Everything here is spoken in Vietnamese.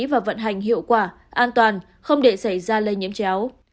và vận hành hiệu quả an toàn không để xảy ra lây nhiễm chéo